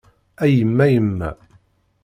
A yemma yemma.